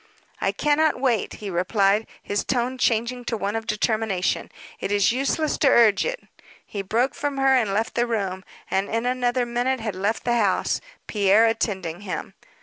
"I cannot wait," he replied, his tone changing to one of determination. "It is useless to urge it." He broke from her and left the room, and in another minute had left the house, Pierre attending him.